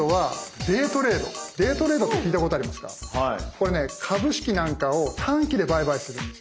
これね株式なんかを短期で売買するんですよね。